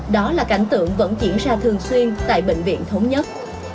đó là cảnh tượng vẫn diễn ra thường xuyên tại bệnh viện thống nhất